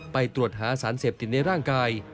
ไปตรวจหาสารเสพติดในร่างกาย